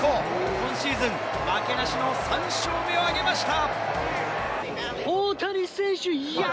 今シーズン負けなしの３勝目を挙げました。